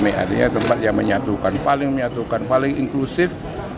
tempat yang menyatukan paling menyatukan paling inklusif